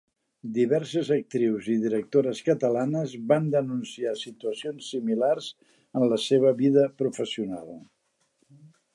Diverses actrius i directores catalanes van denunciar situacions similars en la seva vida professional.